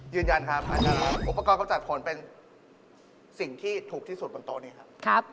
ยืนยันครับอุปกรณ์กำจัดขนเป็นสิ่งที่ถูกที่สุดบนโต๊ะนี้ครับ